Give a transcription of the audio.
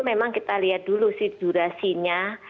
memang kita lihat dulu sih durasinya